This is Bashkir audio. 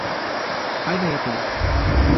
Ҡайҙа ята ул?